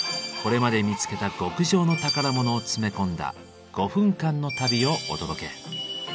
これまで見つけた極上の宝物を詰め込んだ５分間の旅をお届け。